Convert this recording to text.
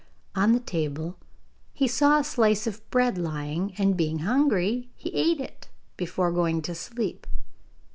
On the table he saw a slice of bread lying, and, being hungry, he ate it before going to sleep.